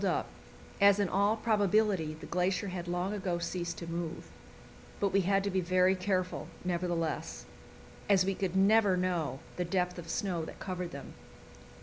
Most of them were filled up, as in all probability the glacier had long ago ceased to move; but we had to be very careful, nevertheless, as we could never know the depth of snow that covered them.